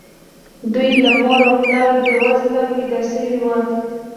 دوی له مور او پلاره بې وزله پيدا شوي وو.